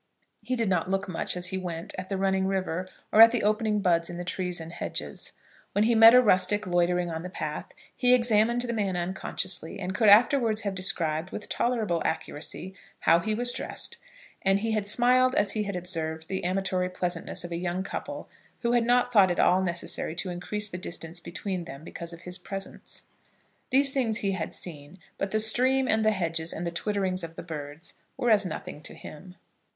He did not look much as he went at the running river, or at the opening buds on the trees and hedges. When he met a rustic loitering on the path, he examined the man unconsciously, and could afterwards have described, with tolerable accuracy, how he was dressed; and he had smiled as he had observed the amatory pleasantness of a young couple, who had not thought it at all necessary to increase the distance between them because of his presence. These things he had seen, but the stream, and the hedges, and the twittering of the birds, were as nothing to him.